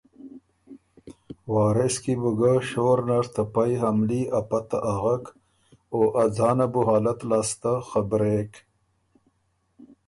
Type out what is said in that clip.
وارث کی بو ګۀ شور نر ته پئ حملي ا پته اغک او ا ځانه بو حالت لاسته خبرېک